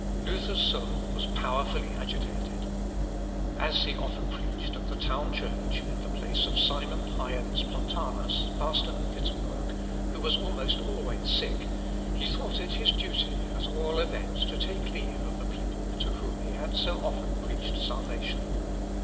Luther's soul was powerfully agitated. As he often preached at the town church in place of Simon Heyens Pontanus, pastor of Wittemberg, who was almost always sick, he thought it his duty, at all events, to take leave of a people to whom he had so often preached salvation.